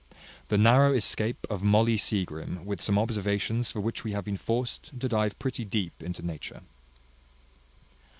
The narrow escape of Molly Seagrim, with some observations for which we have been forced to dive pretty deep into nature.